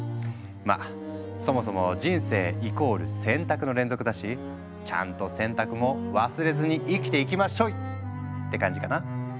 まあそもそも人生イコール選択の連続だしちゃんと選択も忘れずに生きていきまっしょい！って感じかな。